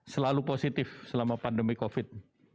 selalu positif selama pandemi covid sembilan belas